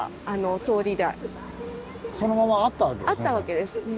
あったわけです。